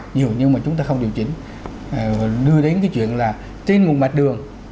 nhiều nhưng mà chúng ta không điều chỉnh đưa đến cái chuyện là trên vùng mặt đường